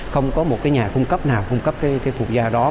không có một cái nhà cung cấp nào cung cấp cái phụ gia đó